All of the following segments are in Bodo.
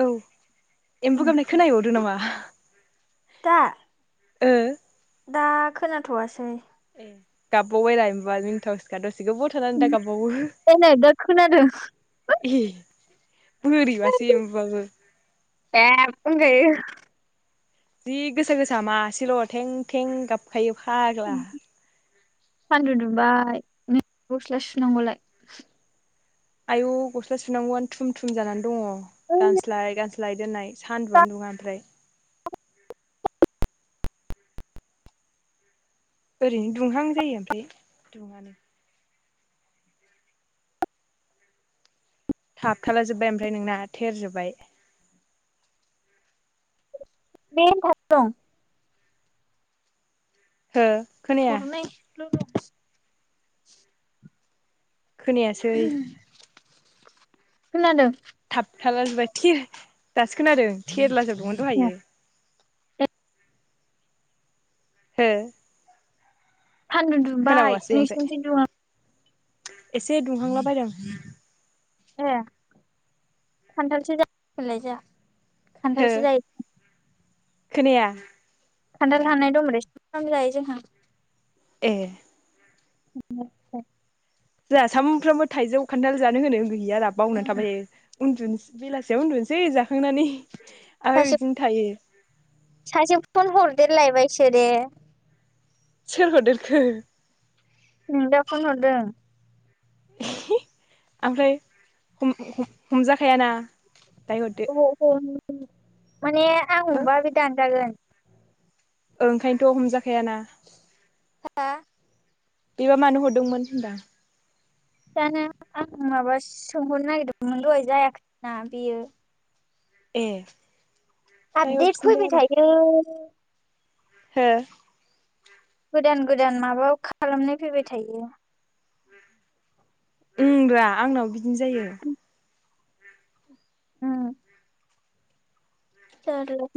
औ एम्बु उम गाबनाय खोना हैबावदो नामा? [inaudible] दा ओ दा खोनाथ'वासै। ए गाबबाव बाय रा एमबुआ मिनि थावसोखा द उम ओयनै दा खोनादों। एह बोरैबासो एम्बुवाबो। एब होनजायो जि गोसा गोसा मा सेल' थें थें गाबखायो फाग्ला सानदु दुंबाय नै गस्ला सुनांगौलाय। आयौ गस्ला सुनांगौआनो थुम थुम जानानै दङ गानस्लाय गानस्लाय दोननाय सान्दुआनो दुङा ओमफ्राय। ओरैनो दुंहां जायो ओमफ्राय दुङानो। थाबथाला जोबबाय ओमफ्राय नोंना, थेर जोब्बाय। [unintelligible] हो खोनाया थरनै लोगो खोनायासै। खोनादों? थाब थाला जोबबाय थेरला जोबबाय दासो खोनादों। ए दहायो हो सान्दुं दुंबाय खोनाबावासै ओमफ्राय नोंसिनिथिं दुंङाखै? एसे दुंहांला बायदों। ए खान्थालसो जामबिलाय जोंहा। हो खान्थालसो जायो। खोनाया। खान्थाल हाननाय दंमोन। सामफ्रामबो जायो जोंहा। ए [inaudible] जोंहा सानफ्रामबो थाइजौ खान्थाल जानो होनो गैया जोंहि बावना उम थाबाय‌ थायो। उन्दुनोसै बेलासियाव उन्दुनोसै जाखां जाखांनानै आरो सासे बिदिनो थायो। सासे फन हरदेरलायबायसो दे। सोर हरदेरखो? नोंदा फन हरदों। ओमफ्राय हमजाखायाना। अ माने आं हो हमबा बे दानजागोन। ओंखायनोथ' हमजा खायाना हा बेबा मानो हरदोंमोन होनबा? जानो आं माबा सोंहरनो नागिरदोंमोन दहाय जायाखै ना बेयो। ए दाहाय आफदेट हरफिनदो फैबाय थायो। है? गोदान गोदान माबायाव खालामनाय फैबाय थायो। उमब्रा आंनावबो बिदिनो जायो।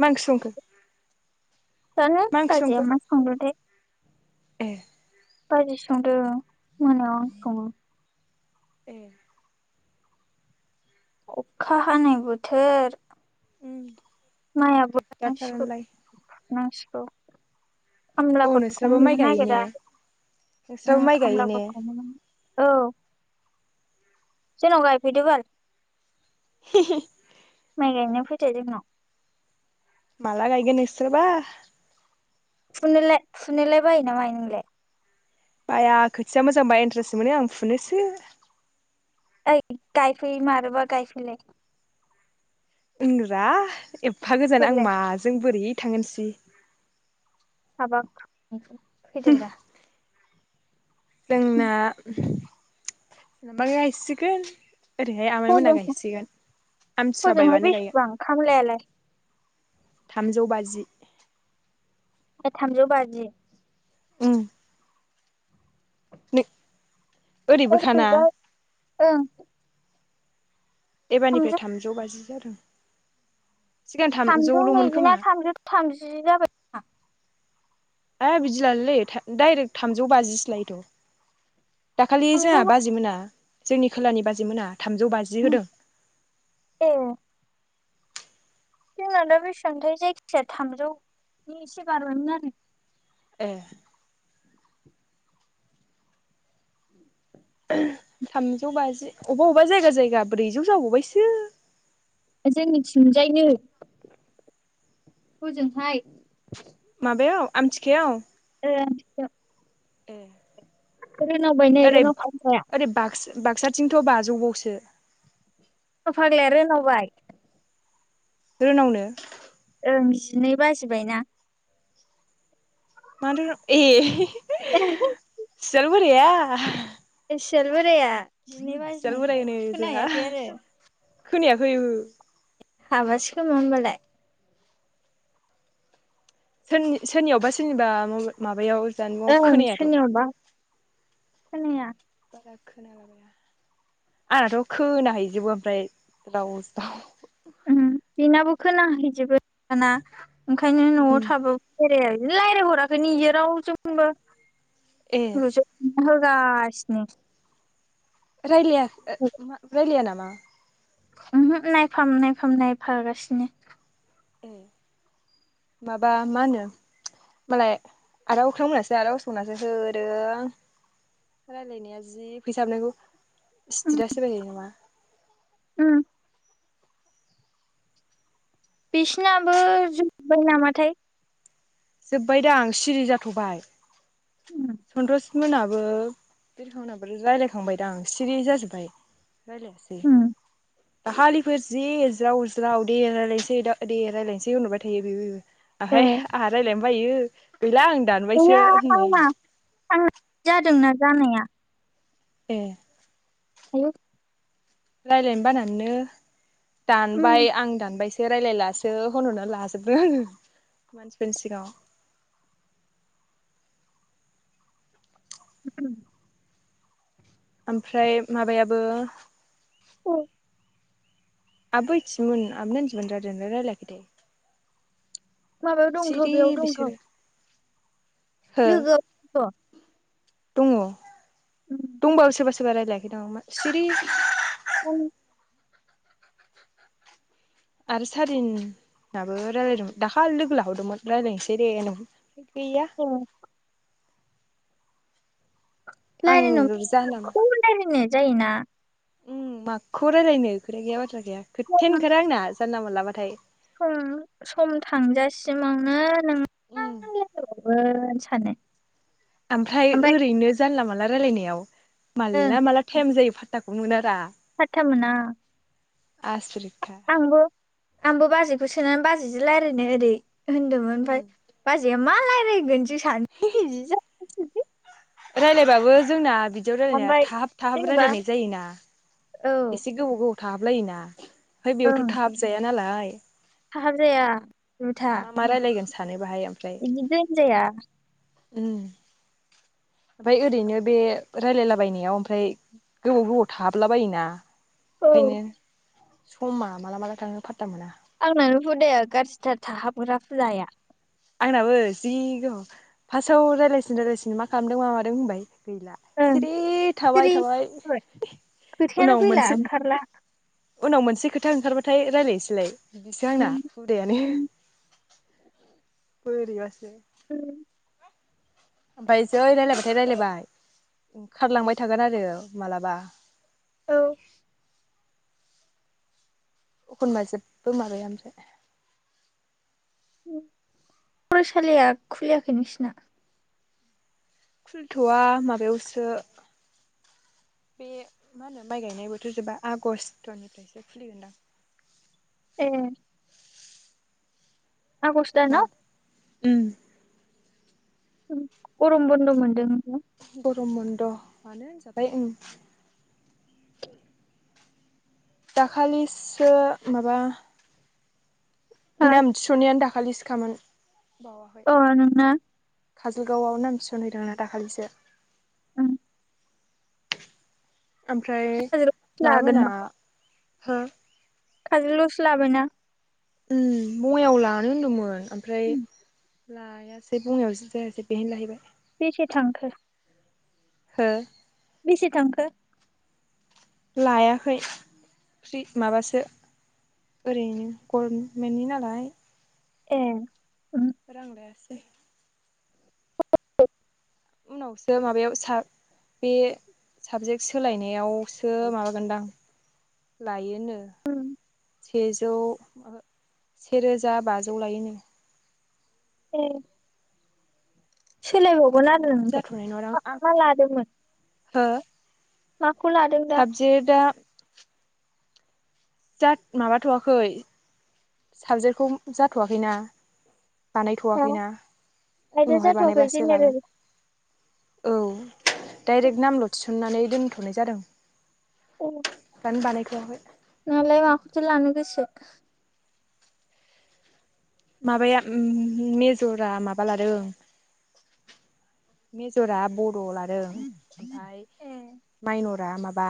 मा ओंख्रि संखो जानो मा ओंख्रि संखो बाजैआ मा संदोथाय। ए बाजैसो संदों। मोनायाव आं सङो। [unintelligible] अखा हानाय बोथोर माइआबो दिगदार नांसिगौ थारानोलाय नांसिगौ। औ खामलाफोरखौनो नोंस्राबो माइ मोननो गायो ने नागिरा उम नोंस्राबो माइ गायो ने खामलाफोरखौनो मोना। औ जोंनाव गायफैदो बाल। हि हि माइ गायनो फैदो जोंनाव माला गायगोन नोंसोरबा फुनोले फुुनोलाय बायोना मायो नोंलाय। बाया खोथिया मोजांबा इन्ट्रेस्टसो मोनो आं फुनोसो। ओइ गायफै मारोबा गायफैलाय। ओंरा एब फा गोजान आं फैलाय माजों बोरै थांगोनसै हाबबाब [inaudible] फैदोब्रा जोंना उम माबाया इसिगोन। हजों [inaudible] आमथिसुवा हजोंहाय बायबानो गायगोन बेसेबां खामलायालाय। थामजौ बाजि। ए थामजौ बाजि। उम नो ओरैबोखाना ओरैजाय ओं एबारनिफ्राय थामजौ बाजि जादों। सिगां थामजौ थामजौल'मोन खोमा नैजिना थामजौ थामजि जाबायना। ओ बिदिलालाय लायो‌ था डाइरेक्ट थामजौ बाजिसो लायोथ'। दाखालि जोंहा थामजौ बाजै मोना जोंनि खोलानि बाजै मोना थामजौ बाजि होदों। ए जोंना दा बेसेबांथाय जायखिजाया थामजौनि एसे बारबायमोन आरो ए थामजौ बाजि अबेबा अबेबा जायगा जायगा ब्रैजौ जाबावबायसो जोंनिथिंजायनो हजोंहाय माबायाव आमथिखायाव ओ आमथिखायाव ए रोनावबायनो ओरै रोनाव फाग्लाया ओरै बाक्सा बाक्साथिंथ' बाजौबावसो रौनाव फाग्लाया रोनावबाय रोनावनो ओं जिनै बाजिबायना माने ए सियाल [unintelligible] बोराया सियाल बोराया जिनै सियाल बोराय बाजिनायखाय होनो खोना जोंहा हैयाखै आरो खोनायाखै ओहो हाबासै खौमा होनबालाय सोरनि सोरनियावबा सोरनिबा माबायाव जानबुंआव ओं खोनायाथ' सोनियावबा खोनाया आंनाथ' खोनाहैजोबो ओमफ्राय ज्राव जाव ओम बिनाबो खोनाहैजोबो दाना ओंखायनो न'आव उम थाबाबो बेराया रायज्लायहराखैनो इयो रावजोंबो ए [unintelligible] होगा सिनो रायलाया ओ रायलाया नामा [inaudible] ओमहो नायफाम नायफाम नायफागासिनो ए माबा मा होनो मालाय आरो अख्रां मोनासो आदा असखमोनासो होदों रायजलायनाया जि फैसा हाबनांगौ उम सिटिथास होबाय थायो नामा उम बिसिनाबो जुजोब्बाय नामाथाय जोबबायदां सिरि जाथ'बाय उम सन्तस मोनाबो बिरखांनाबो रायज्लायखांबायदां सिरि जाजोब्बाय रायलायासै उम दाखालिफोर जि ज्राव ज्राव दे रायजलायनोसै दे दे रायजलायनोसै होनहरबाय थायो बे ए ओमफ्राय आंहा रायजलायनो बायो गैला आं दानबायसो होनहरो। थांनाय जादोंना जानाया ए आयु रायलायनो बानानैनो उम दानबाय आं दानबायसो ए रायलायलासो होनहरनानै लाजोबदों आं मानसिफोरनि सिगांङाव [unintelligible] ओमफ्राय माबायाबो उम आबै बोहैथिमोन आब नानदिमोन रायलायदोना रायलायाखैथाय माबायाव दंथ' बेयाव दंथ' लोगो फैद' दंङ दंबा बो सोबा सोबा रायलायाखै दां माथो सिरि खालि आरो सारिन आबो रायलायदोंमोन दाखालि लोगो लाहरदोंमोन रायलायनोसै दे होनदोंमोन। गैया ए आं रायलायनो जानला मोनला खौ लायरायनो जायोना? उम माखौ रायलायनो खोथा गैया बाथ्रा गैया खोथायानो ओंखारा आंना। जानला मोनला बाथाय सम-सम थांजासिमाव नो नों उम गोन सानो आमफ्राय ओमफ्राय ओरैनो जानला मानला रायलायनायाव ओं मालला माला टाइम जायो फात्ताखौ मोना रा फात्ता मोना। आसुरिख [unintelligible] आंबो आंबो बाजैखौ सोनानै बाजैजों लायरायनो ओरै होनदोंमोन उम ओमफाय बा जैया मा लायरायगोन सान [unintelligible] [unintelligible] रायलायबाबो जोंना बिदियाव रायलायनाया ओमफ्राय थाहाब थाहाब जेनेबा रायलायनाय जायोना। औ एसे गोबोउ गोबोउ थाबलायोना। बेयावथ' ओं थाब जाया नालाय। [unintelligible] थाहाब जाया जुथा मा मा रायलायगोन सानो बाहाय ओमफ्राय बिदि दोनजाया। ओमफ्राय ओरैनो बे रायलायलाबायनायाव ओमफ्राय गोबाव गोबाव थाहाबला बायो ना? औ एखायनो। समा माला माला थांनो फाथथा मोना। आंनानो हुदाया गाज्रिथार थाहाबग्रा हुदाया। आंनाबो जि गोबाव फार्स्टआव रायज्लायसिन रायज्लायसिन मा खालामदों मा मादों होनबाय। गैला ओं सिरि थाबाय सिरि थाबाय खोथायानो उनाव फैला मोनसे ओंखारला उनाव मोनसे खोथा ओंखारबाथाय रायज्लायनोसैलाय। बिदिसो आंना उम हुदायानो। उम बोरैबासो। उ ओमफफ्राय जै रायजलायबाथाय रायजलायबाय ओंखारलांबाय थागोन आरो मालाबा। औ एखनबा जेबो माबाया आमफ्रहाय। फरायसालिया खुलियाखै नोंसिना? खुलिथ'वा माबायावसो, बे मा होनो? माइ गायनाय बोथोर जा आगस्टनिफ्रायसो खुलिगोनदां। ए आगस्ट दानाव। ओम गरम बन्द' मोनदों। हो ब गरमबन्दआनो होनजाबाय। दाखालिसो माबा। म-नाम थिसन्नायानो दा खालिस खामोन। ओ नोंना। काजलगावआव नाम थिसनहैदोंना दाखालिसो। ओ ओमफ्राय काजोलसो माबा मोनना हो खाजलगाव आवसो लाबायायना उं बङाइायाव लानो होनदोंमोन ओमफ्राय उम। लायासै बङायाव जि जायासै बेहायनो लाहैबाय बेसेै थांखो हो बिसि थांखो लायाखै फ्रि माबासो ओरैनो गभमेन्टनि नालाय ए उ रां लायासै उनावसो माबायाव स बे साबजेक्ट सोलायनायाव सो माबागोनदां लायोनो उम सेजौ ओ सेरोजा बाजौ लायो औ सोलायबावगोन आरो दानो नों ओमफ्राय जाथ'नाय नङादां मा आंखौ मा लादोंमोन हो माखौ लादों दा साबजेक्ट आ जा माबाथ'आखै साबजेक्टखौ जाथ'वाखैना हा बानायथ'वाखैना आयदा उनावहाय जाथ'वाखै बानायबासो जेनेरेल लागोन औ डाइरेक्ट नाम थिस थिननानै दोनथ'नाय जादों औ बानाय थवाखै नालाय माखौथौ लानो गोसो माबाया उ मेजरा माबा लादों मेजरा ब बड लादों ओमफाय ए माइनर रा माबा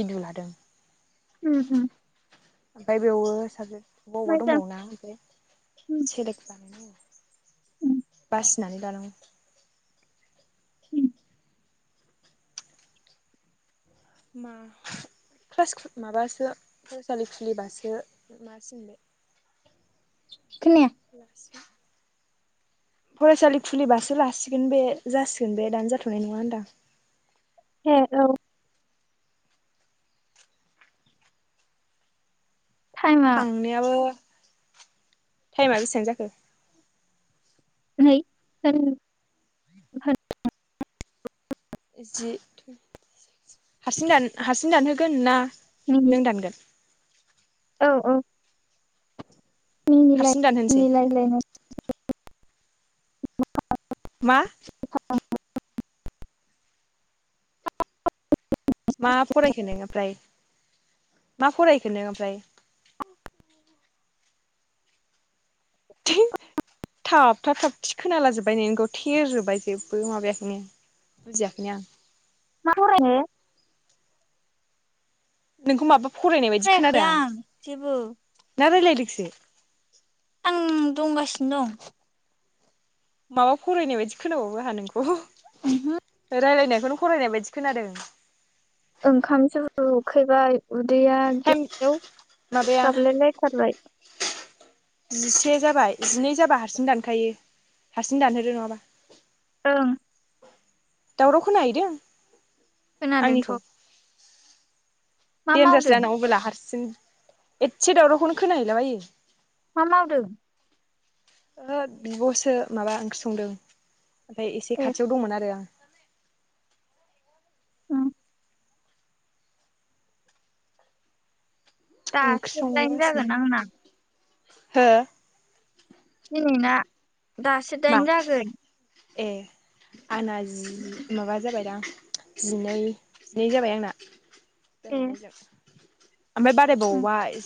इदु लादों उम उम ओमफ्राय बेयावबो साबजेक बबावबा मोजां दंबावोना ओमफ्राय उम सेलेक्ट उम बासिनानै लानांगौ उम मा क्लास माबासो फरायसालि खुलिबासो मा सिनबाय खोनाया लासिगोन फरायसालि खुलिबासो लासिगोन बे जासिगोन बे दानो जाथ'नाय नङा होनदां हे औ टाइमा थांनायाबो टाइमा बेसेबां जाखो है [unintelligible] जि थ हारसिं दान-हारसिं दानहोगोन ना मिनिट नों दानगोन? औ औ हारसिं दानहोनोसै मिनिलाय [unintelligible] [unintelligible] मा [unintelligible] [unintelligible] मा फरायखो नोङो ओमफ्राय मा फरायखो नों ओमफ्राय थै थाबथा थाबथि खोनालाजोबबाय नोंनिखौ थेरजोब्बाय जेबो माबायाखैनो बुजियाखैनो आं। [unintelligible] नोंखौ माबा फरायनाय बायदि फरायाखै खोनादों आ आं जेबो ना रायलायदों से आं दंगासिनो दं माबा फरायनाय बायदि खोनाबावो आंहा नोंखौ ओमहो। रायलायनाय [unintelligible] फरायनाय बायदि खोनादों ओंखामसो उखैबाय उदैया टाइम गेव माबाया गाबलाय लायथारबाय बाय जिनै जाबा हारसिं दानखायो हारसिं दानहोदो नङाबा ओं दावराव खोनाहैदों? खोनादोंथ' आंनिखौ मा देनजारसो मावदों आंना मबेला हारसिं एदसे दावरावखौनो खोना हैैला बायो। मा मावदों? ओ बिब'सो माबा ओंख्रि संदों ओमफाय एसे ए खाथियाव दंमोन आरो आं। उम ओंख्रि दासो दाइन संगासिनो जागोन आंना हो? फुंनि ना दासो मा दाइन जागोन ए आंना जि माबा जाबायदां जिनै जिनै जाबाय आंना दं ए नायजाब ओमफाय बाराय उम बावबाय